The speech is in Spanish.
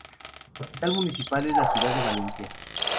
Su capital municipal es la ciudad de Valencia.